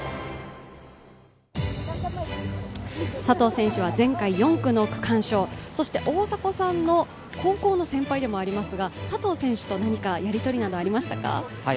佐藤選手は前回４区の区間賞そして大迫さんの高校の先輩でもありますが、佐藤選手と何かやり取りなどありましたか？